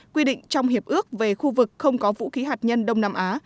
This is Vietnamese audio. quy định trong hiệp ước về khu vực không có vũ khí hạt nhân đông nam á